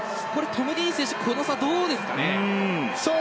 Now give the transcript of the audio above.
トム・ディーン選手この差、どうですかね。